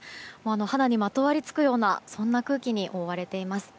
肌にまとわりつくようなそんな空気に覆われております。